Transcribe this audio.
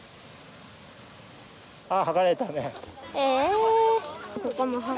ああはがれたね。